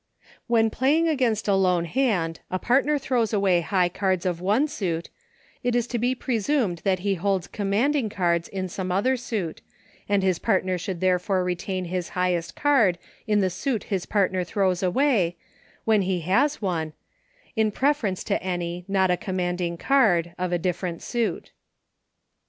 When playing against a lone hand a part ner throws away high cards of one suit, it is to be presumed that he holds commanding cards in some other suit, and his partner should therefore retain his highest card in the suit his partner throws away, when he has one, in preference to any, not a command ing card, of a different suit.